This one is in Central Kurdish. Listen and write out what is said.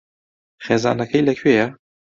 خێزانەکەی لەکوێیە؟